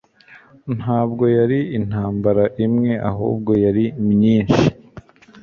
Ntabwo yari intambara imwe ahubwo yari myinshi